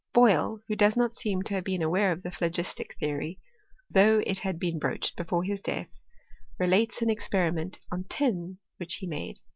Boyle, who does not seem to have been aware of the phlogis tic theory, though it had been broached before his death, relates an experiment on tin which he made.